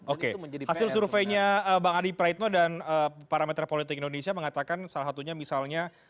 oke hasil surveinya bang adi praitno dan parameter politik indonesia mengatakan salah satunya misalnya